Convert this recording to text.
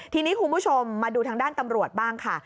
ทีนี้คุณผู้ชมมาดูทางด้านตำรวจบ้างค่ะ